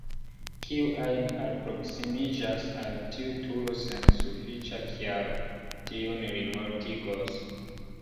Kiu ajn alproksimiĝas al tiu turo sen sufiĉa kialo, tiun li mortigos.